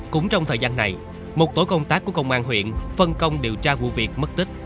cũng trong thời gian này một tổ công tác của công an huyện phân công điều tra vụ việc mất tích